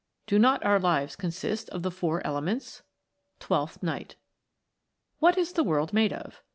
o " Do not our lives consist of the four elements ?" Twelfth Night. WHAT is the world made of?